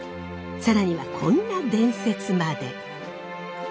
更にはこんな伝説まで。